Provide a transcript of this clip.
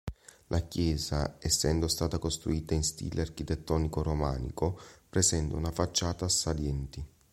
La chiesa essendo stata costruita in stile architettonico romanico presenta una facciata a salienti.